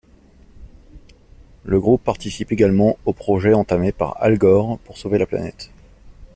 Le groupe participe également au projet entamé par Al-Gore pour sauver la planète.